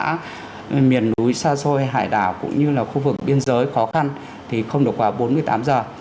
các miền núi xa xôi hay hải đảo cũng như là khu vực biên giới khó khăn thì không được vào bốn mươi tám giờ